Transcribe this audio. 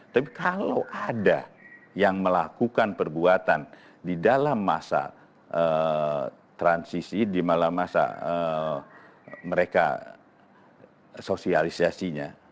tapi kalau ada yang melakukan perbuatan di dalam masa transisi di malam masa mereka sosialisasinya